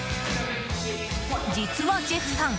実はジェフさん